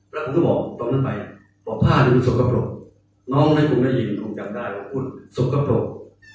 แล้วผมก็บอกตรงนั้นไปว่าผ้านี้มันสุขปรกน้องนั้นผมได้ยินผมจำได้ว่าพูดสุขปรก